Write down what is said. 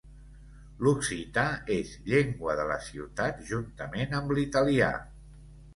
L'occità és llengua de la ciutat juntament amb l'italià.